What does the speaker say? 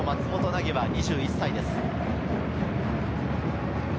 生は２１歳です。